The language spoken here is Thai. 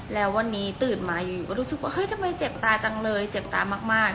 แล้ววันนี้ตื่นมาอยู่ก็รู้สึกว่าเฮ้ยทำไมเจ็บตาจังเลยเจ็บตามาก